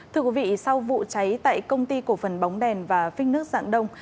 thưa quý vị sau vụ cháy tại công ty cổ phần bóng đèn và phích nước dạng đông